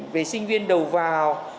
về sinh viên đầu vào